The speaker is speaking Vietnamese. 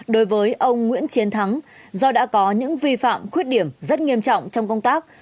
đối với ông nguyễn chiến thắng do đã có những vi phạm khuyết điểm rất nghiêm trọng trong công tác